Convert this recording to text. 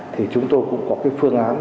thì chúng tôi cũng có cái phương án